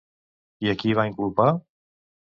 I a qui va inculpar?